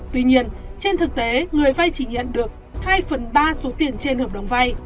tuy nhiên trên thực tế người vay chỉ nhận được hai phần ba số tiền trên hợp đồng vay